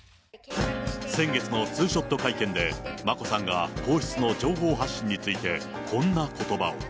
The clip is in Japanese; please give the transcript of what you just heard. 先月のツーショット会見で、眞子さんが皇室の情報発信について、こんなことばを。